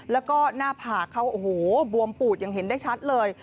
แล้วก็หน้าผากเขาโอ้โหบวมปูดอย่างเห็นได้ชัดเลย